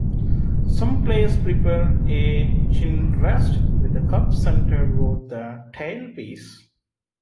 Some players prefer a chinrest with the cup centered over the tailpiece.